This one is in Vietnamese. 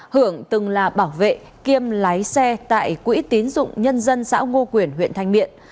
hưởng từng là bảo vệ kiêm lái xe tại quỹ tín dụng nhân dân xã ngô quyền huyện thanh miện